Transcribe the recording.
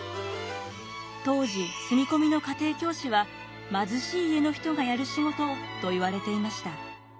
当時住み込みの家庭教師は貧しい家の人がやる仕事といわれていました。